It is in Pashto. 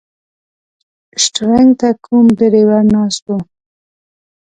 شټرنګ ته کوم ډریور ناست و.